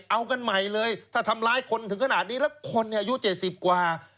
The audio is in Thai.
เอากันใหม่เลยถ้าทำร้ายคนถึงขนาดนี้แล้วคนอายุ๗๐กว่า